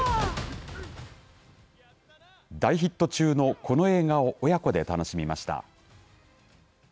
大ヒット中のこの映画を親子で楽しみました。